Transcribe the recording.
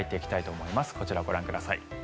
こちら、ご覧ください。